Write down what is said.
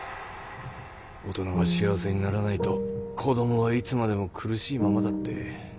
大人が幸せにならないと子供はいつまでも苦しいままだって。